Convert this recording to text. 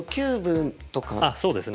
あっそうですね。